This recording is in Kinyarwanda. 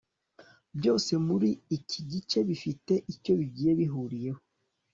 byose muri iki gice bifite icyo bigiye bihuriyeho